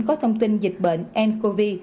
có thông tin dịch bệnh ncov